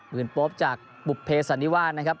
ปืนโป๊ปจากบุภเพสันนิวาสนะครับ